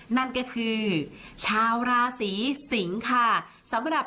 นั่นก็คือชาวราศรีสิงค่ะ